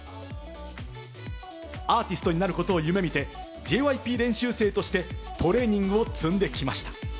アーティストになることを夢見てＪＹＰ練習生としてトレーニングを積んできました。